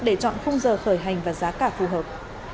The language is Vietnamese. để chọn khung giờ khởi hành và giá cả phù hợp